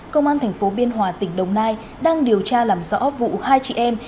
công an tp biên hòa tỉnh đồng nai đang điều tra làm rõ vụ hai chị em